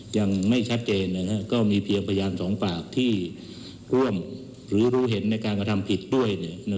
ยังไม่ชัดเจนก็มีเพียงพยานสองปากที่ร่วมหรือรู้เห็นในการกระทำผิดด้วย